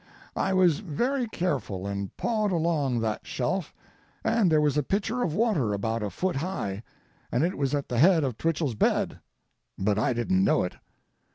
I was very careful and pawed along that shelf, and there was a pitcher of water about a foot high, and it was at the head of Twichell's bed, but I didn't know it.